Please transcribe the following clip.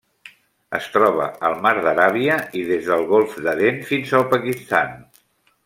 Es troba al Mar d'Aràbia i des del Golf d'Aden fins al Pakistan.